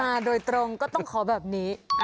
มาโดยตรงก็ต้องขอแบบนี้